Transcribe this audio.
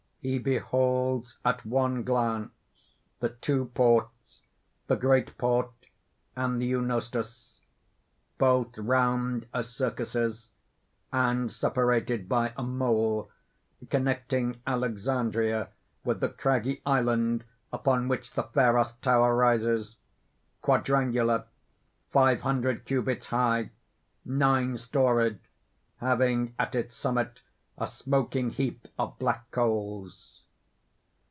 _ _He beholds at one glance, the two ports (the Great Port and the Eunostus), both round as circuses, and separated by a mole connecting Alexandria with the craggy island upon which the Pharos tower rises quadrangular, five hundred cubits high, nine storied, having at its summit a smoking heap of black coals.